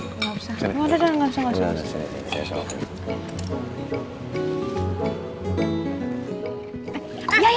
enggak usah enggak usah